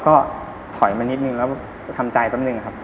ก็ถอยมานิดนึงแล้วทำใจแป๊บหนึ่งครับ